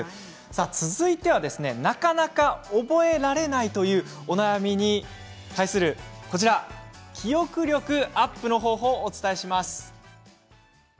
続いてはなかなか覚えられないというお悩みに対する記憶力アップの方法です。